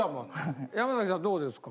山さんどうですか？